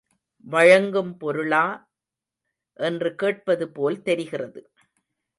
வழங்கும் பொருளா என்று கேட்பதுபோல் தெரிகிறது.